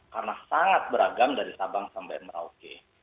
karena sangat beragam dari sabang sampai merauke